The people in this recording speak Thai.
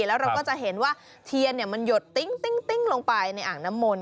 แล้วเราก็จะเห็นว่าเทียนมันหยดติ้งลงไปในอ่างน้ำมนต